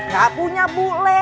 gak punya bule